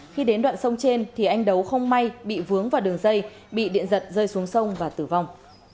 khi đến đoạn sông trên thì anh đấu không may bị vướng vào đường dây bị điện giật rơi xuống sông và tử vong